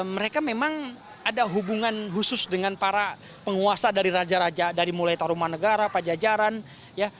mereka memang ada hubungan khusus dengan para penguasa dari raja raja dari mulai taruman negara pajajaran ya